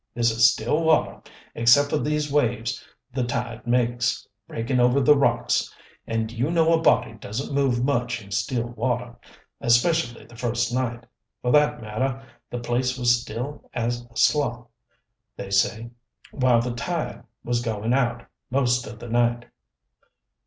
This is still water, except for these waves the tide makes, breaking over the rocks and you know a body doesn't move much in still water, especially the first night. For that matter the place was still as a slough, they say, while the tide was going out most of the night.